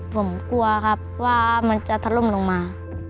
ผมกลัวครับว่ามันจะถล่มลงมา